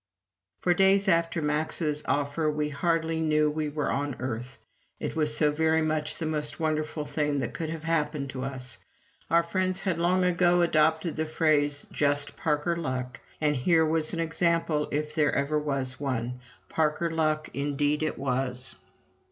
For days after Max's offer we hardly knew we were on earth. It was so very much the most wonderful thing that could have happened to us. Our friends had long ago adopted the phrase "just Parker luck," and here was an example if there ever was one. "Parker luck" indeed it was!